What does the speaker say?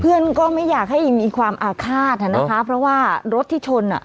เพื่อนก็ไม่อยากให้มีความอาฆาตอ่ะนะคะเพราะว่ารถที่ชนอ่ะ